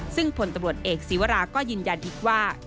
ซึ่งผลตำรวจเอกศีวราก็ยืนยันอีกว่า